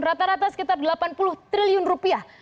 rata rata sekitar delapan puluh triliun rupiah